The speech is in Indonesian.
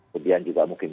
kemudian juga mungkin